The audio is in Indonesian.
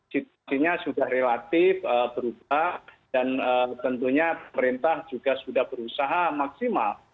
situasinya sudah relatif berubah dan tentunya pemerintah juga sudah berusaha maksimal